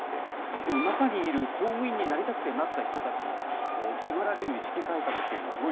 でも中にいる公務員になりたくてなった人たちの迫られる意識改革